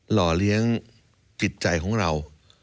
ห่อเลี้ยงจิตใจของเรา